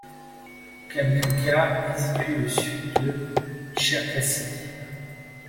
Kamianka est située à au sud de Tcherkassy.